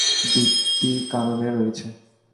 দুইটি কারণে রয়েছে।